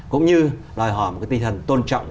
cũng như đòi hỏi một tinh thần tôn trọng